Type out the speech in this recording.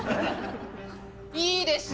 いいですよ。